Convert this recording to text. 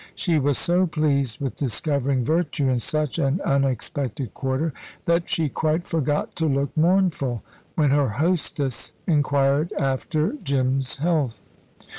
She was so pleased with discovering virtue in such an unexpected quarter that she quite forgot to look mournful when her hostess inquired after Jim's health.